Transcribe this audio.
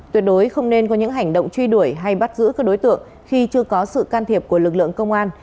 tuyệt đối không nên có những hành động truy đuổi hay bắt giữ các đối tượng khi chưa có sự can thiệp của lực lượng công an